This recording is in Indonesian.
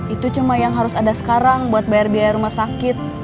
itu cuma yang harus ada sekarang buat bayar biaya rumah sakit